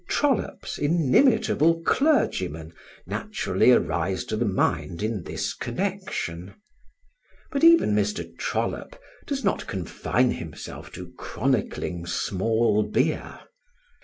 Trollope's inimitable clergymen naturally arise to the mind in this connection. But even Mr. Trollope does not confine himself to chronicling small beer.